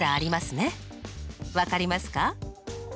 分かりますか？